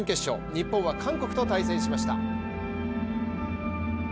日本は韓国と対戦しました。